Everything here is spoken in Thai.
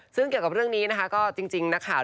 ซึ่งเกี่ยวกับเรื่องนี้นะคะก็จริงนักข่าว